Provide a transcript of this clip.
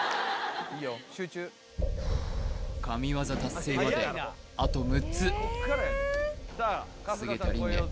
神業達成まであと６つ菅田琳寧